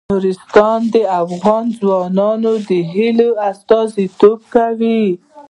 نورستان د افغان ځوانانو د هیلو استازیتوب کوي.